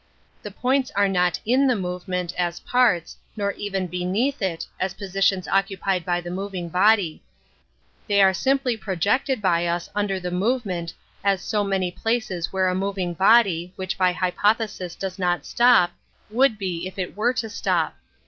The points are not in the movement, as parts, nor even beneath it, as positions occupied by the moving body. They are simply projected by us under the movement, as so many places where a mov ing body, which by hypothesis does not stop, would be if it were to stop.